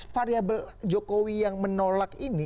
variabel jokowi yang menolak ini